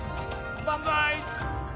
「バンザイ！」。